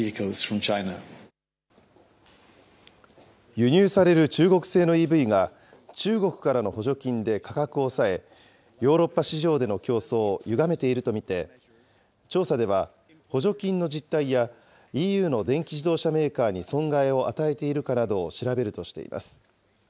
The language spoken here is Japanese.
輸入される中国製のＥＶが、中国からの補助金で価格を抑え、ヨーロッパ市場での競争をゆがめていると見て、調査では、補助金の実態やＥＵの電気自動車メーカーに損害を与えているかなどを調べるとしています。